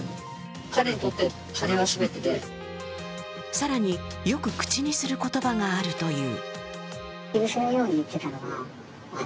更に、よく口にする言葉があるという。